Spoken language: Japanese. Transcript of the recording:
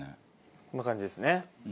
こんな感じですね。